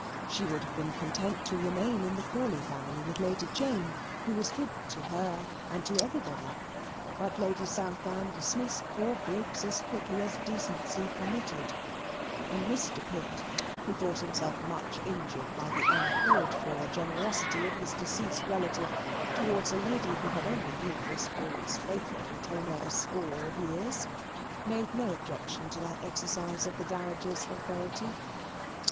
She would have been content to remain in the Crawley family with Lady Jane, who was good to her and to everybody; but Lady Southdown dismissed poor Briggs as quickly as decency permitted; and Mr. Pitt (who thought himself much injured by the uncalled for generosity of his deceased relative towards a lady who had only been Miss Crawley's faithful retainer a score of years) made no objection to that exercise of the dowager's authority.